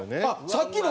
さっきの。